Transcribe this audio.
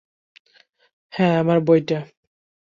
হ্যাঁ, আমার বইটা।